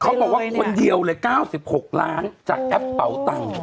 เขาบอกว่ากันคนเดียวโอ้ย๙๖ล้านจากแอปเปลาต่าง